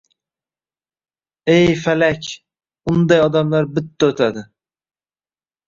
He, falak, unday odamlar bitta o‘tadi!